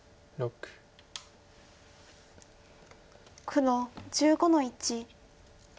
黒１５の一。